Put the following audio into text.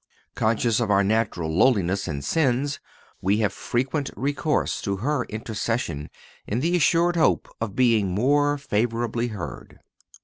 Conscious of our natural lowliness and sins, we have frequent recourse to her intercession in the assured hope of being more favorably heard.